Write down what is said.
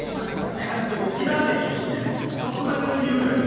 いや２人とも沖縄県出身ねちょっとだけ上に言うなよ